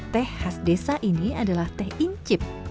teh khas desa ini adalah teh incip